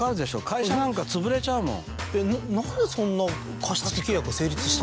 会社なんか潰れちゃうもん。